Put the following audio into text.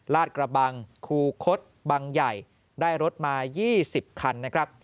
ลาดกระบังคูคศบังใหญ่ได้รถมา๒๐คันนะครับ